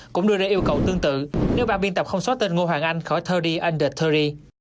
cũng đưa ra yêu cầu tương tự nếu ban biên tập không xóa tên ngo hoàng anh khỏi ba mươi under ba mươi